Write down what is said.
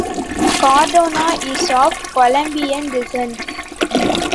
Cardona is of Colombian descent.